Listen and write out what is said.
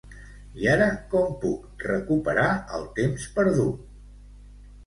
I ara com puc recuperar el temps perdut?